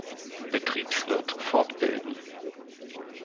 Betriebswirt fortbilden.